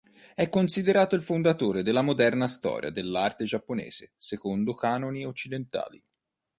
È considerato il fondatore della moderna storia dell'arte giapponese secondo canoni occidentali.